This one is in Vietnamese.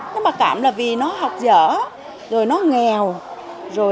nó mặc cảm là vì nó học dở rồi nó nghèo